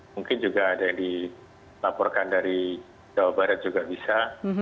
mungkin juga ada yang dilaporkan dari jawa barat juga bisa